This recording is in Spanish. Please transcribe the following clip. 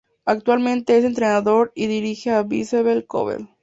Actualmente es entrenador y dirige al Vissel Kobe.